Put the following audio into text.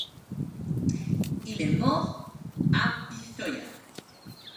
Il est mort à Pistoia.